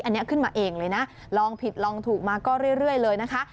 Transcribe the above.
อันนี้ขึ้นมาเองเลยนะลองผิดลองถูกมาก็เรื่อยเลยนะคะ